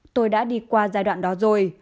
tôi đã đi qua giai đoạn đó rồi